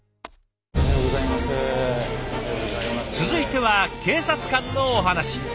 続いては警察官のお話。